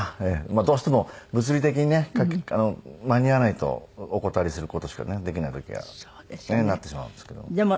まあどうしても物理的にね間に合わないとお断りする事しかできない時はねなってしまうんですけども。